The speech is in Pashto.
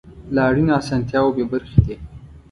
له اړینو اسانتیاوو بې برخې دي.